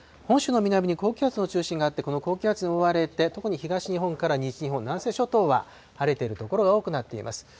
本州の南に高気圧の中心があって、この高気圧に覆われて、特に東日本から西日本、南西諸島は晴れてる所が多くなっています。